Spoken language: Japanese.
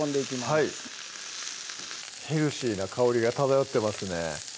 はいヘルシーな香りが漂ってますね